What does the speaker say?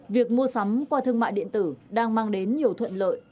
việc mua sắm qua thương mại điện tử đang mang đến nhiều thuận lợi